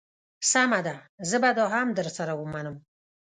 سمه ده زه به دا هم در سره ومنم.